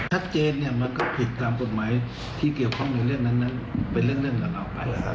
ชัดเจนเนี่ยมันก็ผิดตามกฎหมายที่เกี่ยวข้องในเรื่องนั้นเป็นเรื่องต่อไปนะครับ